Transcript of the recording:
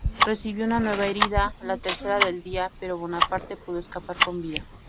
Recibió una nueva herida, la tercera del día, pero Bonaparte pudo escapar con vida.